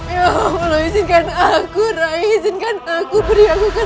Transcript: ya allah izinkan aku rai izinkan aku beri aku kan